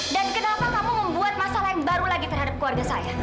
dan kenapa kamu membuat masalah yang baru lagi terhadap keluarga saya